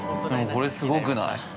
◆これすごくない。